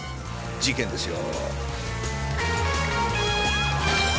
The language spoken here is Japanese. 事件ですよ。